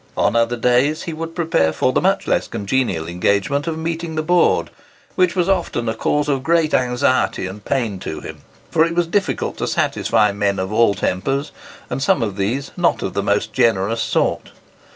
On other days he would prepare for the much less congenial engagement of meeting the Board, which was often a cause of great anxiety and pain to him; for it was difficult to satisfy men of all tempers, and some of these not of the most generous sort.